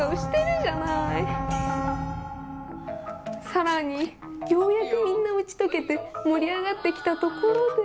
更にようやくみんな打ち解けて盛り上がってきたところで。